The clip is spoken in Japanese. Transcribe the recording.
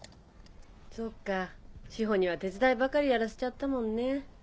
そうか汐には手伝いばかりやらせちゃったもんね。